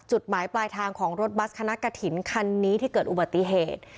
จุดหมายปลายทางของรถบัสคณะกฐินคันนี้ที่เกิดอุบัติเหตุ